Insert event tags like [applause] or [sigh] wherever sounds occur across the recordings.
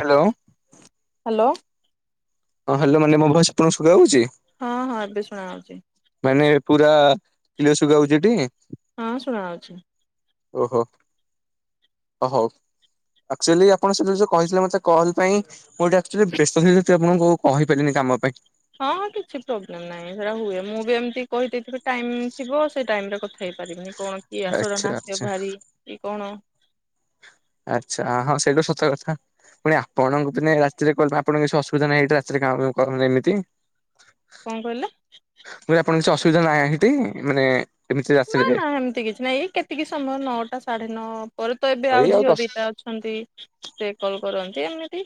Hello. Hello. ହଁ hello ମାନେ ମୋ ଭୟସ ଆପଣଙ୍କୁ ଶୁଭାଯାଉଛି? ହଁ ହଁ ଏବେ ଶୁଣାଯାଉଛି। ମାନେ ପୁରା [unintelligible] ଶୁଭାଯାଉଛି ଟି? ହଁ ଶୁଣା ଯାଉଚି। ଓହୋ ହୋଉ। ଆକ୍ଚୁଆଲି ଆପଣ ସେଥି ଯୋଉ କହିଥିଲେ ମତେ କଲ୍ ପାଇଁ ମୁଁ [unintelligible] ଆଚୁଆଲି ବ୍ୟସ୍ତ ଥିଲି ସେ ଆପଣଙ୍କୁ କହିପାରିଲିନି କାମ ପାଇଁ। ହଁଁ କିଛି ପ୍ରୋବ୍ଲେମ ନାହିଁ ସେଟା ହୁଏ ମୁଁ ବି ଏମିତି କହିଦେଇଥିବି ଟାଇମ ଥିବ ସେଇ ଟାଇମ ରେ କଥା ହେଇପାରିବିନି। କଣ କିଏ ଆଚ୍ଛା [unintelligible] ନାଶ ଆଚ୍ଛା ଭାରି କି କଣ? ଆଚ୍ଛା ହଁ ସେଇଟା ସତ କଥା। ପୁଣି ଆପଣଙ୍କୁ ରାତିରେ ଆପଣ କିଛି ଅସୁବିଧା ନାଇଁ ରାତିରେ କାମ [unintelligible] କଣ କହିଲ? ମୁଁ କହିଲି ଆପଣ କିଛି ଅସୁବିଧା ନାହିଁ ହେଇଠି ମାନେ ଏମିତି ନା ରାତିରେ ନା ଏମିତି କିଛି ନାହିଁ ଏଇ କେତିକି ସମୟ ନଅଟା ସାଢେ ନଅ ପରେ ତ ଏବେ ଏଇ ଆଉ ଝିଅ ଦଶ ଦିଟା ଅଛୁ। ଛନ୍ତି ସେ କଲ କରନ୍ତି ଏମିତି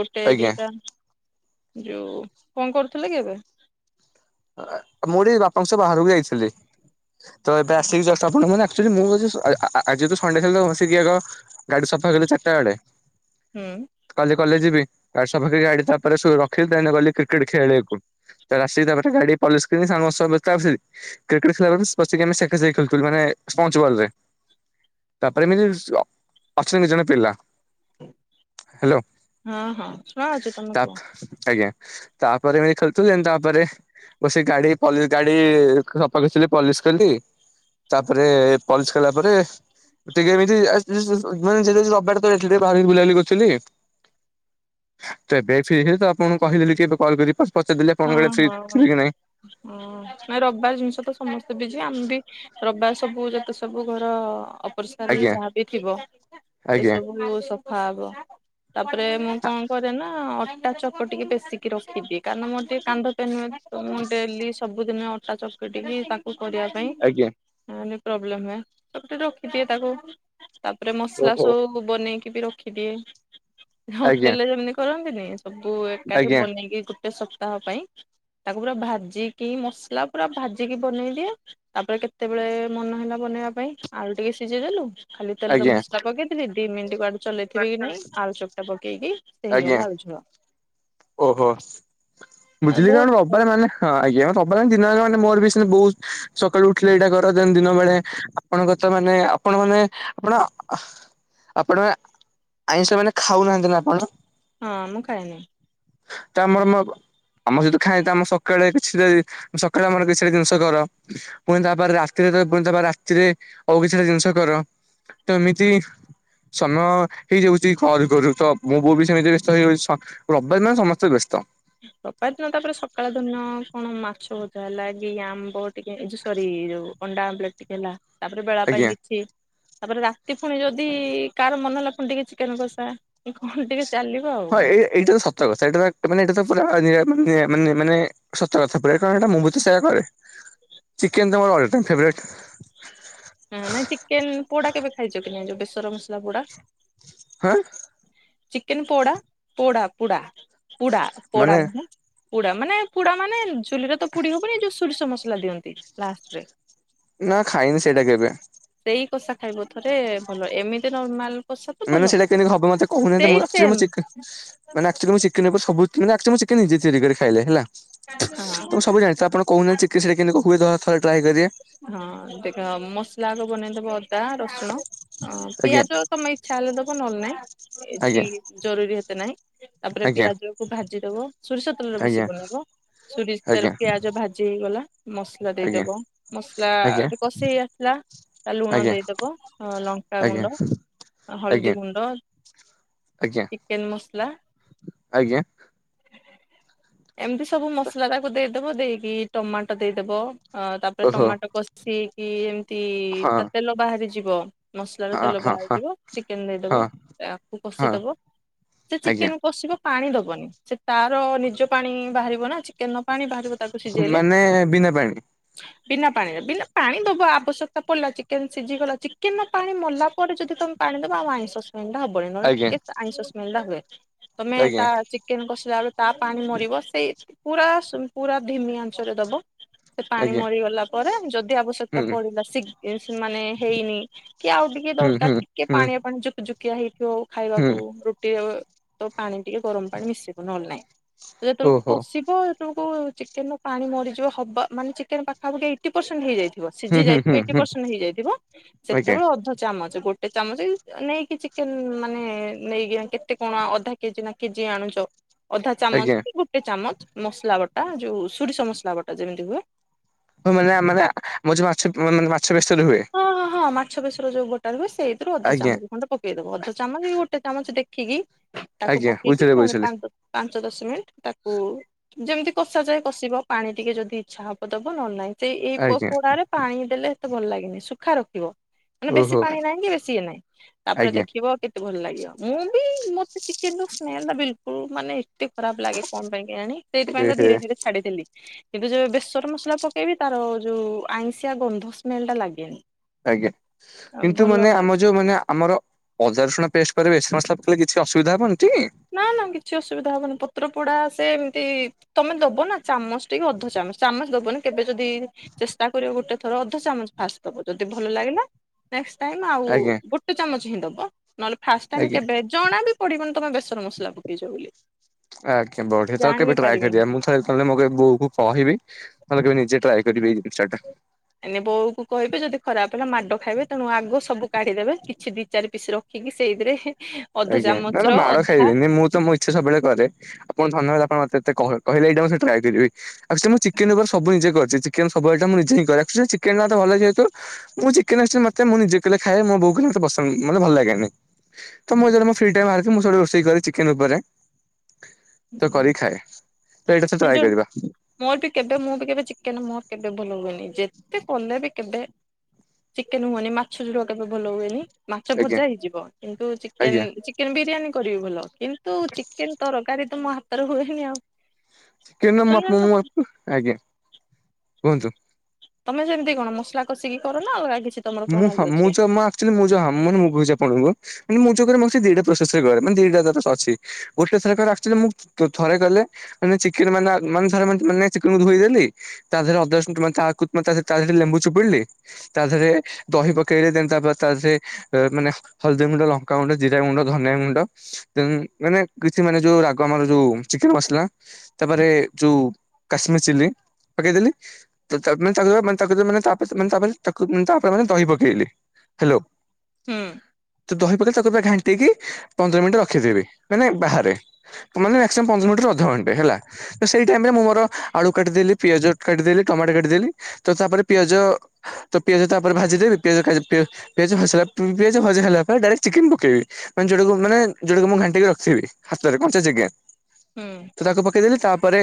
ଗୋଟେ ଆଜ୍ଞା। ଦିଟା ଯଉ କଣ କରୁଥିଲେ କି ଏବେ? ମୁଁଠି ବାପାଙ୍କ ସହ ବାହାରକୁ ଯାଇଥିଲି ତ ଏବେ ଆସିକି ଯଷ୍ଟ ଆପଣ ଅଚୁଆଳି ମୁଁ ଆ ଆଜି ତ ସଣ୍ଡେ ଥିଲା ବସିକି ଆଗ ଗାଡି ସଫା କଲେ ଚାରିଟା ବେଳେ। ହୁଁ। କାଲି ଜଲେଜ ଯିବି ଗାଡି ସଫା ତାପରେ ରଖି ତାଲେ ଗଲି କ୍ରିକେଟ୍ ଖେଳିବାକୁ। ତାପରେ ଆସିକି ତାପରେ ଗାଡି [unintelligible] [unintelligible] ବସିକି ଆମେ [unintelligible] ଖେଥିଲୁ [unintelligible] ମାନେ ତାପରେ ଏମିତି ଅଛନ୍ତି ଜଣେ ପିଲା ହ୍ୟାଲୋ ହଁ ହଁ ଶୁଣାଯାଉଛି ତମେ କୁହ ତାପ ଆଜ୍ଞା ତାପରେ ବି ଖେଲଥିଲେ ତାପରେ ବ ସେ ଗାଡି ପଲି ଗାଡି ପଲିସ କିଲି [unintelligible] ତାପରେ ପଲିସ କଲା ପରେ ଟିକେ ଏମିତି [unintelligible] [unintelligible] ବୁଲାବୁଲି କରୁଥିଲି। ତ ଏବେ ଫ୍ରି ତ ଆପଣଙ୍କୁ କହିଦେଲି କି କଲ୍ କରି [unintelligible] [unintelligible] ଓଁ ନାଇଁ ରବିବାର ଜିନିଷ ତ ସମସ୍ତେ ବି ଯିବେ ଆମ ବି ରବିବାର ସବୁ ଯେତେ ସବୁ ଘର ଅପରିସାର ଆଜ୍ଞା ଯାହାବି ଥିବ ସେ ଆଜ୍ଞା ସବୁ ସଫା ହବ ତାପରେ ମୁଁ କଣ କରେ ନା ଅଟା ଚ ଟିକେ ପେଶିକି ରଖିଦିଏ କାରଣ ମୋର ଟିକେ କାନ୍ଧ ପେନ୍ ହୁଏ ମୁଁ ଡେଲି ସବ ସବୁ ଦିନି ଅଟା ଚକଟିକି ତାକୁ କରିବା ପାଇଁ ଆଜ୍ଞା ଯାହା ହେଲେ ପ୍ରୋବ୍ଲେୁ ହୁଏ ରଖିଦିଏ ତାକୁ ତାପରେ ମସଲା ଓହୋ ସବୁ କୁ ବନେଇକି ବି ରଖିଦିଏ ଆଜ୍ଞା ହୋଟେଲରେ ଯେମିତି କରନ୍ତିନି? ସବୁ ଏକାଠି ଆଜ୍ଞା ବନେଇକି ଗୋଟେ ସପ୍ତାହ ପାଇଁ ତାକୁ ପୁରା ଭାଜିକି ମସଲା ପୁରା ଭାଜିକି ବନେଇଦିଏ। ତାପରେ କେତେବେଳେ ମନ ହେଲା ବନେଇବା ପାଇଁ ଆଳୁ ଟିକେ ସିଜେଇ ଦେଲୁ। ଖାଲି ତେଲରେ ଆଜ୍ଞା ମସଲା ପକେଇଦେଲି ଦି ମିନିଟ ବାଦ ଚଲେଇଥିବେ କି ନାଇଁ ଆଳୁ ଚକଟା ପକେଦେଇ ସେ ଆଜ୍ଞା। ହେଇଗଲା ଆଳୁ ଝୋଳ। ଓହୋ ଆ ବୁଝିଲି କଣ ବହୁତ ଅପାୟ ମାନେ? ହଁ ଆଜ୍ଞା ସବୁବେଳେ ଦିନବେଳେ ମୋର ବି ସେ ବହୁତ ସକାଳୁ ଉଠିଲେ ଏଇଟା କର ସେମିତି ଦିନ ବେଳେ ଆପଣଙ୍କ ତ ମାନେ ଆପଣ ମାନେ ଆପଣ ଆପଣ ଆଇଁଷ ମାନେ ଖାଉନାହାନ୍ତି ନା ଆପଣ? ହଁ ମୁଁ ଖାଇନି। ତାମର ମୋବ ଆମ ଯଦି ଖାଏ ତ ଆମ ସକାଳେ କିଛି ସକାଳେ ଆମର କିଛି ଜିନିଷ କର। ପୁଣି ତାପରେ ରାତିରେ ତ ପୁଣି ତାପରେ ରାତିରେ ଆଉ କିଛି ଜିନିଷ କର, ତ ଏମିତି ସମୟ ହେଇଯାଉଛି, ଘରୁ ଘରୁ ତ ମୋ ବୋଉ ବି ସେମିତି ବ୍ୟସ୍ତ ହେଇଯାଉଛି, ରବିବାର ଦିନ ସମସ୍ତେ ବ୍ୟସ୍ତ। ରବିବାର ଦିନ ତାପରେ ସକାଳେ ଦିନ କଣ ମାଛ ଭଜା ହେଲା କି ଆମ୍ବ ଟିକେ ଏ ଯୋଉ ସରି ଯୋଉ ଅଣ୍ଡା ଆମ୍ବଲେଟ୍ ଟିକେ ହେଲା, ତାପରେ ବେଳା ଆଜ୍ଞା ପାଇଁକି ସି, ତାପରେ ରାତି ପୁଣି ଯଦି କାହାର ମନ ହେଲା ପୁଣି ଟିକେ ଚିକେନ କଷା। ଏ କଣ ଟିକେ ଚାଲିବ। ଆଉ ହଁ କଣ। ଏଇ ଏଇଟା ତ ସତ କଥା ଏଇଟା ତ ମାନେ ଏଇଟା ତ ପୁରା ମାନେ ମାନେ- ମାନେ-ମାନେ ସତ କଥା ପ୍ରାୟ କାରଣ ଏଇଟା ମୁଁ ବି ତ ସେଇଆ କରେ, ଚିକେନ ତ ମୋର ଅଲ୍ ଟାଇମ୍ ଫେବ୍ରାଇଟ୍। ହଁ ନାଇଁ ଚିକେନ ପୋଡା କେବେ ଖାଇଛ କି ନାଇଁ ଯୋଉ ବେସର ମସଲା ପୋଡା? ଆଁ। ଚିକେନ ପୋଡ଼ା ପୋଡ଼ା ପୁଡ଼ା ପୁଡ଼ା ମାନେ ପୋଡା ନୁହେଁ। ପୁଡା ମାନେ ପୁଡା ମାନେ ଚୁଲିରେ ତ ପୁଡି ହବନି ଯୋଉ ସୋରିଷ ମସଲା ଦିଅନ୍ତି ଲାଷ୍ଟରେ। ନା ଖାଇନି ସେଇଟା କେବେ। ସେଇ କଷା ଖାଇବ ଥରେ ଭଲ ଏମିତି ନର୍ମାଲ କଷା ତ ମାନେ ଭଲ ସେଇଟା କେମିତି ହବ ମତେ କହୁନାହାନ୍ତି, ମୁଁ ସେଇ ଅକ୍ଚୁଆଲି ମୁଁ ସେମ୍ ଚିକେ ମାନେ ଆକ୍ଚୁଆଲି ମୁଁ ଚିକେନକୁ ସବୁ ଦିନ ଆକ୍ଚୁଆଲି ମୁଁ ନିଜେ ତିଆରି କରେ ଖାଇଲେ ହେଲା, ତ ହଁ। ମୁଁ ସବୁ ଜାଣି ତ ଆପଣ କହୁନାନ୍ତି ଚିକେ ସେଇଟା କେମିତି କଣ ହୁଏ ଥରେ ଟ୍ରାଏ କରିବା। ହଁ ଦେଖ ମସଲା ଆଗ ବନେଇଦବ ଅଦା ରସୁଣ ଅ ଆଜ୍ଞା ପିଆଜ ତମ ଇଚ୍ଛା ହେଲେ ଦବ ନହେଲେ ନାହିଁ। ଏଛି ଆଜ୍ଞା ଜରୁରୀ ଏତେ ନାହିଁ, ତାପରେ ଆଜ୍ଞା। ପିଆଜ କୁ ଭାଜିଦବ ସୋରିଷ ତେଲରେ ଆଜ୍ଞା ବେଶୀ ବନେଇବ। ସୋରିଷ ତେଲ ଆଜ୍ଞା ପିଆଜ ଭାଜି ହେଇଗଲା ମସଲା ଆଜ୍ଞା ଦେଇଦବ। ମସଲା ଆଜ୍ଞା ଟିକେ କସି ହେଇଆସିଲା, ତା ଲୁଣ ଆଜ୍ଞା ଦେଇଦବ ଆଜ୍ଞା ଲଙ୍କାଗୁଣ୍ଡ ହଳଦୀ ଆଜ୍ଞା ଗୁଣ୍ଡ ଆଜ୍ଞା। ଚିକେନ ମସଲା ଆଜ୍ଞା। ଏମିତି ସବୁ ମସଲା ତାକୁ ଦେଇଦବ ଦେଇକି ଟମାଟୋ ଦେଇଦବ। ତାପ ଓହୋ ଟମାଟୋ କଷିହେଇକି ଏମିତି ହଁ ତା ତେଲ ବାହାରିଯିବ। ମସଲାର ହଁ ତେଲ ହଁ ହଁ ବାହାରିଯିବ ଚିକେନ ଦେଇଦବ ହଁ ଆକୁ ହଁ କଷିଦବ। ତ ଆଜ୍ଞା ଚିକେନ କଷିବ। ପାଣି ଦବନି ସେ ତାର ନିଜ ପାଣି ବାହାରିବ ନା ଚିକେନର ପାଣି ବାହାରିବ ତାକୁ ସିଝେଇଲେ। ଏ ବିନା ପାଣି? ବିନା ପାଣିରେ ବିନା ପାଣି ଦବା ଆବଶ୍ୟକତା ପଡିଲା, ଚିକେନ ସିଝି ଗଲା ଚିକେନର ପାଣି ମଲା ପରେ ଯଦି ତମେ ପାଣି ଦବା ଆଉ ଆଇଁଷ ଏଣ୍ଡା ହବନି ନହେଲେ ଆଜ୍ଞା ଟିକେ ଆଇଁଷ ସ୍ମେଲ ଟା ହୁଏ ତମେ ଆଜ୍ଞା ତା ଚିକେନ କସିଲା ବେଳେ ତା ପାଣି ମରିବ ସେଇ ପୁରା ପୁରା ଧିମି ଆଂଞ୍ଚରେ ଦବ। ସେ ପାଣି ଆଜ୍ଞା ମରିଗଲା ପରେ ଯଦି ଆବଶ୍ ହୁଁ [unintelligible] ପଡିଲା ସିଗ ମାନେ ହେଇନି କି ଆଉ ଟିକେ ହୁଁ ହୁଁ ଦରକାର ଟିକେ ହୁଁ ପାଣିଆ ପାଣି ଯୁକ୍ ଯୁକ କିଆ ହେଇଥିବ ହୁଁ ଖାଇବାକୁ ରୁଟିରେ ତ ପାଣି ଟିକେ ଗରମ ପାଣି ମିଶିବ ନହେଲେ ନାହିଁ। ଯେ ତମକୁ ଓହୋ କଷିବ ତମକୁ ଚିକେନ ର ପାଣି ମରିଯିବ ହବା ମାନେ ଚିକେନ ପାଖାପାଖି ଏଇଟି ପସେଣ୍ଟ ହେଇଯାଇଥିବ ହୁଁ ସିଝି ହୁଁ ହୁଁ ଯାଇଥିବ ଏଇଟି ହୁଁ ପସେଣ୍ଟ ହେଇଯାଇଥିବ ଆଜ୍ଞା ସେତେବେଳେ ଅଧ ଚାମଚ ଗୋଟ ଗୋଟେ ଚାମଚ ନେଇକି ଚିକେନ ମାନେ ନେଇକି କେତେ କଣ ଅଧା କେଜି ନା କେଜି ଆଣୁଚ। ଅଧା ଚାମଚ ଆଜ୍ଞା କି ଗୋଟେ ଚାମଚ ମସଲା ବଟା ଯୋଉ ସୋରିଷ ମସଲା ବଟା ଯେମିତି ହୁଏ। ହଁ ମନା ମନା [unintelligible] ମାନେ ମାଛ ବେସର ହୁଏ। ହଁ ହଁ ହଁ ମାଛ ବେସର ଯୋଉ ବଟା ରେ ହୁଏ ସେଇଥିରୁ ଅଧ ଆଜ୍ଞା ଚାମଚ। ଖଣ୍ଡେ ପକେଇଦବ ଅଧ ଚାମଚ କି ଗୋଟେ ଚାମଚ ଦେଖିକି ତାକୁ ଆଜ୍ଞା ପକେଇକି ବୁଝିଲି ପୁଣି ବୁଝିଲି। ପାଞ୍ଚ ପାଞ୍ଚ ଦଶ ମିନିଟ୍ ତାକୁ ଯେମିତି କଷାଯାଏ କଷିବ ପାଣି ଟିକେ ଯଦି ଇଚ୍ଛା ହବ ଦବ ନହେଲେ ନାଇଁ। ସେଇ ଏଇ ଆଜ୍ଞା ପୋଡାରେ ପାଣି ଦେଲେ ଏତେ ଭଲ ଲାଗନି ଶୁଖା ରଖିବ। ମାନେ ବେଶୀ ଓହୋ ପାଣି ନାହିଁ କି ବେଶୀ ଇଏ ନାହିଁ ତାପରେ ଆଜ୍ଞା ଦେଖିବ କେତେ ଭଲ ଲାଗିବ ମୁଁ ବି ମତେ ଚିକେନର ସ୍ମେଲଟା ବିଲକୁଲ ମାନେ ଏତେ ଖରାପ ଲାଗେ କଣ ପାଇଁ କେ ଆଣି। ସେଇଥିପାଇଁ ତ ଏହେ ଧୀରେ ଧୀରେ ଛାଡିଦେଲି। କିନ୍ତୁ ଯୋଉ ବେସର ମସଲା ପକେଇବି ତାର ଯୋଉ ଆଇଁଷିଆ ଗନ୍ଧ ସ୍ମେଲ ଟା ଲାଗେନି। ଆଜ୍ଞା କିନ୍ତୁ ମାନେ ଭଲ ଆମ ଯୋ ମାନେ ଆମର ଅଜାରସୁଣ ପେଷ୍ଟ ପାକରେ ରେଶି ମସଲା ପକେଲେ କିଛି ଅସୁବିଧା ହେବନିଟି? ନା ନା କିଛି ଅସୁବିଧା ହବନି ପତ୍ର ପୋଡା ସେ ଏମିତି ତମେ ଦବ ନା। ଚାମଚ ଟି କି ଅଧଚାମଚ ଚାମଚ ଦବନି କେବେ ଯଦି ଚେଷ୍ଟା କରିବ ଗୋଟେ ଥର ଅଧ ଚାମଚ ଫାଷ୍ଟ ଦବ ଯଦି ଭଲ ଲାଗିଲା ନେକ୍ସ ଟାଇମ୍ ଆଉ ଆଜ୍ଞା ଗୋଟେ ଚାମଚ ହିଁ ଦେବ। ନହେଲେ ଫାଷ୍ଟ ଟାଇମ ଆଜ୍ଞା କେବେ ଜଣା ବି ପଡିବନି ତମେ ବେସ ଆଜ୍ଞା ବଢିଆ ତ ଜାଣି ବି କେବେ ଟ୍ରାଏ କରିଆ ପାରିବେନି ମୁ ହଲେ କଲେ ମଗେଇ ବୋହୁ କହିବି ନଲେ କେବେ ନିଜେ ଟ୍ରାଏ କରିବି ଏଇ ଜିନିଷଟା। ଏନେ ବୋଉକୁ କହିବେ ଯଦି ଖରାପ ହେଲା ମାଡ ଖାଇବେ ତେଣୁ ଆଗ ସବୁ କାଢିଦେବେ କିଛି ଦି ଚାରି ପିସ ର ହିଙ୍ଗୀ ସେଇଦିରେ ଆଜ୍ଞା ନା ନା ମାଡ ଖାଇବେନି ମୁଁ ତ ମୋ ସେ ସବୁବେଳେ କରେ ଆପଣ ଧନ୍ୟବାଦ ଆପଣ ମତେ ଏତେ କହି କହିଲେ ଏଇଡ଼ା ମୁଁ ସେ ଟ୍ରାଏ କରିବି। ଆକଚୁଆଲି ମୁଁ ଚିକେନ ଉପରେ ସବୁ ନିଜେ କରିଛି ଚିକେନ ସବୁ ଆଇଟମ ମୁ ନିଜେ ହିଁ କରେ ଆକଚୁଆଲି ଚିକେନଟା ଏତେ ଭଲ ଲାଗେ ଯେହେତୁ ମୁଁ ଚିକେନ [unintelligible] ମତେ ମୁଁ ନିଜେ କଲେ ଖାଏ ମୋ ବୋଉ କଲେ ମତେ ପସନ୍ଦ ମାନେ ଭଲ ଲାଗେନି। ତ ମୁଁ ଯେବେ ମୁଁ ଫ୍ରି ଟାଇ ବାହାରୁଚି ମୁଁ ସବୁବେଳେ ରୋଷେଇ କରେ ଚିକେନ ଉପରେ ତ କରି ଖାଏ ତ ଏଇଟା ଥରେ ଯୋଉ ଟ୍ରାଏ କରିବା। ମୋର ବି କେବେ ମୁଁ ବି କେବେ ଚିକେନ ମୋର କେବେ ଭଲ ହୁଏନି ଯେତେ କଲେବି କେବେ ଚିକେନ ହୁଅନି ମାଛ ଯୋଡ କେବେ ଭଲ ହୁଏନି ଆଜ୍ଞା ମାଛଭଜା ହେଇଯିବ କିନ୍ତୁ ଆଜ୍ଞା ଚିକେନ ଚି କେନ ବିରିୟାନୀ କରିବି ଭଲ କିନ୍ତୁ ଚିକେନ ତରକାରୀ ତ ମୋ ହାତରେ ହୁଏନି ଆଉ। ଚିକେନ ମୁ ଆପ ପପ ଆଜ୍ଞା କୁହନ୍ତୁ। ତମେ ଯେମିତି କଣ ମସଲା କଷିକି କରନ ନା ଅଲଗା କିଛି ତମର ମୁଁଁ ପ୍ରଣାଳୀ ହା ଅଛି? ମୁଁ ଯମା [unintelligible] ଆପଣଙ୍କୁ ମୁଁ [unintelligible] ଦିଟା ପ୍ରୋସରେକରେ ଦିଟା ଦରେଶ ଅଛି। ଗୋଟେ ଥରକରେ ଏକଚୁଆଲି ମୁଁ ଥରେ କଲେ ମାନେ ଚିକେନ ମାନେ ମାନର ମ ମାନ ଚିକେନକୁ ଧୋଇଦେଲି ତା ଦେହରେ ଅଦରଶେ [unintelligible] ତାକୁ ତା ଦେହରେ ଲେମ୍ବୁ ଚିପୁଡଲିି ତା ଦେହରେ ଦହି ପକେଇଲେ ଦେନ୍ ତାପରେ ତା ସେ ମାନେ ହଳଦୀଗୁଣ୍ଡ, ଲଙ୍କାଗୁଣ୍ଡ, ଜିରାଗୁଣ୍ଡ, ଧନିଆଗୁଣ୍ଡ ଉଁ ମାନେ କିଛି ମାନେ ଯୋଉ ରାଗ ଆମର ଯୋଉ ଚିକେନ୍ ମସଲା ତାପରେ ଯୋଉ କାଶ୍ମୀରଚିଲି ପକେଇଦେଲି ତାନେ ତା [unintelligible] ମାନେ ଦହି ପକେଇଲି, ହ୍ୟାଲୋ। ହୁଁ। ତ ଦହି ପକେଇ ତାକୁ ପୁରା ଘାଣ୍ଟକି ପନ୍ଦର ମିନିଟ୍ ରଖିଦେବି ମାନେ ବାହାରେ। ମାନେ ମ୍ୟାକ୍ଷ୍ ସିମମ୍ ପନ୍ଦର ମିନଟିରୁ ଅଧଘଣ୍ଟେ ହେଲା। ତ ସେଇ ଟାଇମ୍ରେ ମୁଁ ମୋର ଆଳୁ କାଟିଦେଲି ପିଆଜ କାଟିଦେଲି ଟମାଟୋ କାଟିଦେଲି ତ ତାପରେ ପିଆଜ ତ ପିଆଜ ତାପରେ ଭାଜିଦେବେ ପିଆଜ ପିଆଜ ଭଜା ପିଆଜ ଭଜା ହେଲା ପରେ ଡାଇରେକ୍ଟ୍ ଚିକେନ ପକେଇବି। ମାନେ ଯୋଉଟାକୁ ମାନେ ଯୋଟାକୁ ମୁଁ ଘଣ୍ଟିକି ରଖଥିବି ହାତରେ କଞ୍ଚା ଚିକେନ୍ ହୁଁ। ତାକୁ ପକେଇଦେଲି ତାପରେ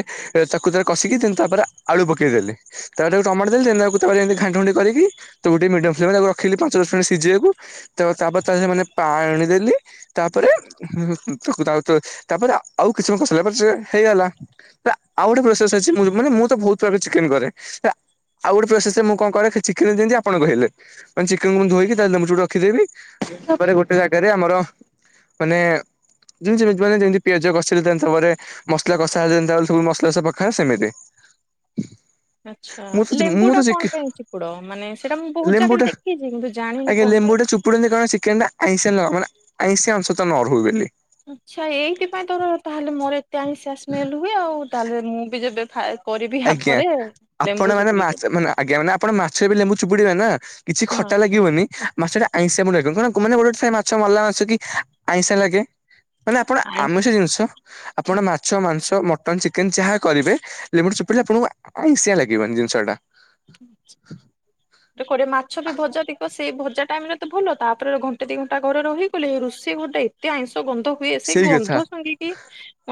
ତାକୁ କଷିକି ତାପରେ ଆଳୁ ପକେଇଦେଲି। ତାପରେ ତାକୁ ଟମାଟ ଦେଲି ଦେନ୍ କୁ ତାରେ ଏମତି ଘାଣ୍ଟ ଘୁଣ୍ଟି କରିକି ତ ଗୋଟେ ମିଡିୟମ୍ ଫ୍ଲେମରେ ତାକୁ ରଖିଲି ପାଞ୍ଚ ଦଶ ମିନିଟ୍ ସିଝିବାକୁ ତ ତାପରେ ତା ସେ ପାଣିଦେଲି ତାପରେ [unintelligible] ତାପରେ ଆଉ କିଛି ସମୟ କସିଲା ପରେ ସେ ହେଇଗଲା। ଆ-ଆଉ ଗୋଟେ ପ୍ରୋସେସ ଅଛି ମୁ ମାନେ ମୁଁ ତ ବୋହୁତ୍ ଥର ଚିକେନ୍ କରେ। ଆଉ ଗୋଟେ ପ୍ରସେସ୍ ରେ ମୁଁ କଣ କରେ ଖାଲି ଚିକେନ ଦିଅନ୍ତି ଆପଣ କହିଲେ କହିନି ଚିକେନ୍ ମୁଁ ଧୋଇକି ତା ଦେହରେ ଲେମ୍ବୁ ଚିପୁଡ଼ିକି ରଖିଦେବି, ତା ପରେ ଗୋଟେ ଜାଗାରେ ଆମର ମାନେ [unintelligible] ଯେମିତି ପିଆଜ କଷିଦେଇଥାନ୍ତି ତା ପରେ ମସଲା କଷା ହେଲେ ଯେମିତି ସବୁ ମସଲା ସବୁ ପକା ହୁଏ ସେମିତି। ଆଚ୍ଛା ମୁଁ ତ ଲେମ୍ବୁ ମୁଁ ତ ଟା ଚିକେ କଣ ପାଇଁ ଚି ଚିପୁଡ ମାନେ ସେଇଟା ମୁଁ ବହୁତ୍ ଜାଗାରେ ଦେଖିଛି କିନ୍ତୁ ଜାଣିନି କଣ ପାଇଁ। ପୁଣି ଯଦି କହିବ ଚିକେନ୍ ଟା ଆଇଁସିଆ ନହବ ମାନେ ଆଇଁସିଆ ଅଂଶ ତ ନ ରହୁବୋଲି। ଆଚ୍ଛା ଏଇଥିପାଇଁ ତୋର ତାହେଲେ ମୋରେ ଏତେ ଆଇଁସିଆ ସ୍ମେଲ୍ ହୁଏ ଆଉ ତାହେଲେ ମୁଁ ବି ଯେବେ କରିବି ଇଆ ଆଜ୍ଞା। ପରେ ଆପଣ ଲେମ୍ବୁ ମାନେ ଚିପୁଡି ମାଛ କରିବି ମାନେ ଆଜ୍ଞା ମାନେ ଆପଣ ମାଛ ରେ ବି ଲେମ୍ବୁ ଚିପୁଡିବେ ନା କିଛି ଖଟା ହଁ ଲାଗିବନି। ମାଛଟା ଆଇଁସିଆ ପୁଣି ଲାଗିବନି କାରଣ ଗୋଟେ ଗୋଟେ ମାଛ ମଲା ମାଛ କି ଆଇଁ ସିଆଁ ଲାଗେ। ମାନେ ଆପଣ ଆଇଁ ଆମିଷ ଜିନିଷ ଆପଣ ମାଛ, ମାଂସ, ମଟନ, ଚିକେନ ଯାହା କରିବେ ଲେମ୍ବୁ ଚିପୁଡ଼ ପୁଡିଲେ ଆପଣଙ୍କୁ ଆଇଁସିଆ ଲାଗିବନି ଜିନିଷଟା। [unintelligible] ତ କରେ ମାଛ ବି ଭଜା ଦେଖି ସେଇ ଭଜା ଟାଇମ୍ ରେ ତ ଭଲ ତା ପରେ ଘଣ୍ଟେ ଦି ଘଣ୍ଟା ଘରେ ରହି କଲେ ରୋଷେଇ ଘରଟା ଏତେ ଆଇଁଷ ଗନ୍ଧ। ହୁଏ ସେଇ ଗନ୍ଧ ଶୁଙ୍ଗିକି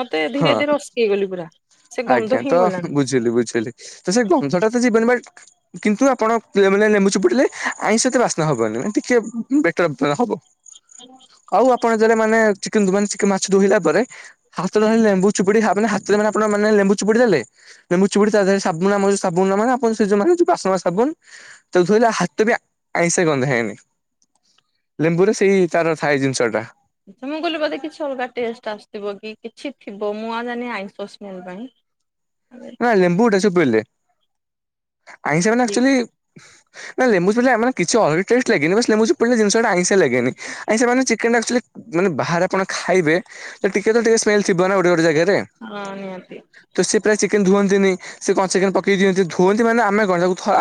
ମତେ ହଁ। ଧୀରେ ଧୀରେ ଅସକେଇ ଗଲି ପୁରା। ସେ ଗନ୍ଧ ଆଜ୍ଞା ହିଁ ତ ଗଲାନି। ବୁଝିଲି ବୁଝିଲି ତ ସେ ଗଂଧଟା ତ ଯିବନି ବଟ୍ କିନ୍ତୁ ଆପଣ ପିଲାମାନେ ଲେମ୍ବୁ ଚିପୁଡ଼ିଲେ ଆଇଁଷ ହେତେ ବାସ୍ନା ହବନି ମାନେ ଟିକେ ବେଟର ହବ। ଆଉ ଆପଣ ଯଦି ମାନେ ଚି କିନ୍ତୁ ମାନେ ଚିକେନ୍ ମାଛ ଧୋଇଲା ପରେ ହାତରେ ଲେମ୍ବୁ ଚିପୁଡ଼ି ଦେଲେ ଲେମ୍ବୁ ଚିପୁଡି ତାଦେହରେ ଆମର ଯଉ [unintelligible] ଆପଣ ସେଉ ମାନ ବାସ ସାବୁନ୍ ତ ଧୋଇଲା ହାତ ବି ଆଇଁସିଆ ଗନ୍ଧା ଏନି। ଲେମ୍ବୁ ରେ ସେଇ ତାର ଥାଏ ଜିନିଷ ଟା। ମୁଁ କହିଲି ବୋଧେ କିଛି ଅଲଗା ଟେଷ୍ଟେ ଆସୁଥିବ କି କିଛି ଥିବ ମୁଁ ଆଉ ଜାଣିନି ଆଇଁଷ ସ୍ମେଲ ପାଇଁ [unintelligible] ଲେମ୍ବୁ ଟା ଚିପୁଡ଼ିଲେ ଆଇଁଷ ମାନେ ଆକ୍ଚୋଲି ନା ଲେମ୍ବୁ ଚିପୁଡ଼ିଲେ ଆମର କିଛି ଅଲଗା ଟେଷ୍ଟ ଲାଗେନି ବାସ୍ ଲେମ୍ବୁ ଚି ପାଇଲେ ଜିନିଷ ଟା ଆଇଁଷିଆ ଲାଗେନି ଆଇଁଷଆ ମାନେ ଚିକେନ ଟା ଆକ୍ଚୋଲି ମାନେ ବାହାରେ ଆପଣ ଖାଇବେ ତ ଟିକେ ତ ଟିକେ ସ୍ମେଲ ଥିବ ନା ଗୋଟେ ଗୋଟେ ଜାଗାରେ। ହଁ ନିହାତି। ତ ସେ ପ୍ରାୟ ଚିକେନ ଧୁଅନ୍ତିନି ସେ କଣ ଚିକେନ ପକେଇଦିଅନ୍ତି ଧୁଅନ୍ତି ମାନେ ଆମେ କଣ ତାକୁ ଫା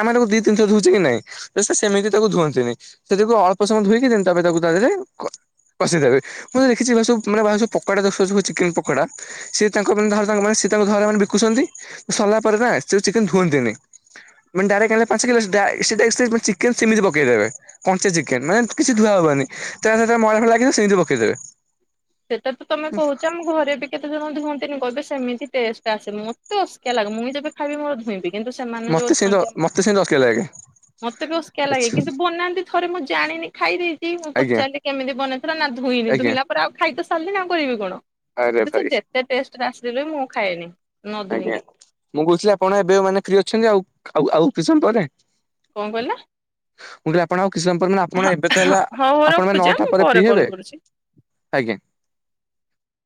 ଆମେ ତାକୁ ଦି ତିିନ ଥର ଧୁଉଚେ କି ନାଇଁ। ଏ ସେ ସେମିତି ତାକୁ ଧୁଅନ୍ତିନି ସେ ତାକୁ ଅଳ୍ପ ସମୟ ଧୁଇକି ଦେନ୍ ତା ପରେ ତାକୁ ତା ଦେହରେ କଷି ଦେବେ ମୁଁ ଦେଖିଚି ଏମାନେ ସବୁ ମାନେ [unintelligible] ସବୁ ପକଡା [unintelligible] ଚିକେନ ପକଡା ସିଏ ତାଙ୍କର ମାନେ ତାଙ୍କର ତାଙ୍କ ମାନେ ସିଏ ତାଙ୍କ ଧର ମାନେ ବିକୁଛନ୍ତି ସରିଲା ପରେ ନା ସେ ଯୋଉ ଚିକେନ ଧୁଅନ୍ତିନି। ମାନେ ଡାଇରେକ୍ଟ ଆଣିଲେ ପାଞ୍ଚ କିଲ ସେ [unintelligible] ଚିକେନ ସେମିତି ପକେଇ ଦେବେ। କଞ୍ଚେ ଚିକେନ ମାନେ କିଛି ଧୁଆ ହବନି ତା ସହିତ ମଇଳା ଫଇଳା ଲାଗିଥିବ ସେନ୍ତି ପକେଇ ଦେବେ। ସେଟା ତମେ କୋହୁଛ ଆମ ଘରେ ବି କେତେଜଣ ଧୁଅନ୍ତିନି କହିବେ ସେମିତି ଟେଷ୍ଟେ ଆସେ ମତେ ଅସକିଆ ଲାଗେ ମୁଇଁ ଯେବେ ଖାଇବି ମୋର ଧୁଇବି। ମତେ ସେଇତ ମତେ ସେମିତି ଅସକିଆ ଲାଗେ। ମତେ ବି ଅସକିଆ ଲାଗେ ଆଚ୍ଛା କିନ୍ତୁ ବନାନ୍ତି ଥରେ ମୁଁ ଜାଣିନି ଖାଇ ଦେଇଚି ମୁଁ ଆଜ୍ଞା ପଚାରିଲି କେମିତି ବନାନ୍ତି [unintelligible] ଧୁଇନି ଆଜ୍ଞା ଧୁଇଲାପରେ ଆଉ ଖାଇତ ସାରିଲିଣି ଆଉ କରିବି କଣ। ଆରେ ଭାଇ [unintelligible] ଯେତେ ଟେଷ୍ଟ ରେ ଆସିଲେ ବି ମୁଁ ଖାଇନି ନ ଆଜ୍ଞା ଧୁଇଁକି। ମୁଁ କହୁଥୁଲି ଆପଣ ଏବେ ମାନେ ଫ୍ରୀ ଅଛନ୍ତି ଆଉ ଆଉ କିଛି ସମୟ ପରେ। କଁ [unintelligible] ମୁଁ ଟିକେ ଆପଣ ଆଉ କିଛି ସମୟ ପରେ ମାନେ ଆପଣ ଏବେ ତାହେଲେ ହଉ ହଉ ଆପଣ ପା ରଖୁଛି ଆଁ ନଅଟା ମୁଁ ପରେ ଫ୍ରି କଲ୍ ହେବେ। କରୁଛି। ଆଜ୍ଞା।